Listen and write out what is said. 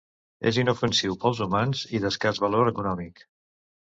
És inofensiu per als humans i d'escàs valor econòmic.